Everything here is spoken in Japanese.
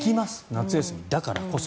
夏休みだからこそ。